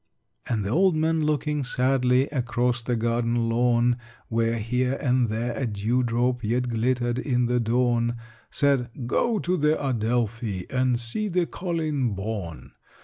'" And the old man, looking sadly Across the garden lawn, Where here and there a dew drop Yet glittered in the dawn, Said "Go to the Adelphi, And see the 'Colleen Bawn.'